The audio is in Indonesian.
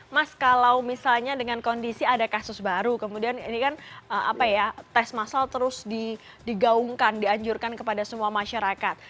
mas kalau misalnya dengan kondisi ada kasus baru kemudian ini kan tes masal terus digaungkan dianjurkan kepada semua masyarakat